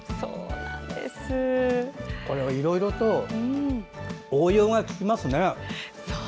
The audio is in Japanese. これはいろいろと応用が利きますね。